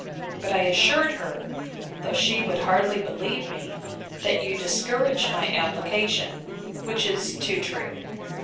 But I assured her, though she would hardly believe me, that you discouraged my application: which is too true!